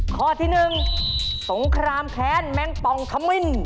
ข้อที่๑สงครามแค้นแมงปองขมิ้น